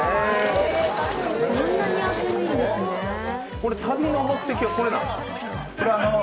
これ旅の目的はこれなんですか？